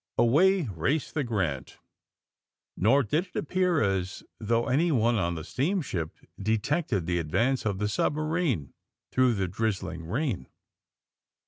Away raced the Grant," nor did it appear as though anyone on the steamship detected the advance of the submarine through the drizzling rain.